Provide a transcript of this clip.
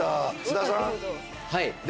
はい。